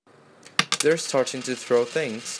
They're starting to throw things!